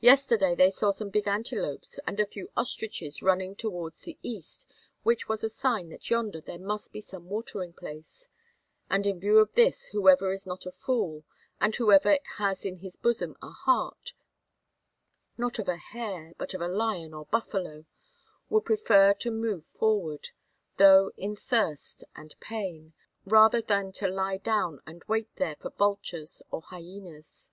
Yesterday they saw some big antelopes and a few ostriches running towards the east, which was a sign that yonder there must be some watering place, and in view of this whoever is not a fool and whoever has in his bosom a heart, not of a hare but of a lion or buffalo, will prefer to move forward, though in thirst and pain, rather than to lie down and wait there for vultures or hyenas.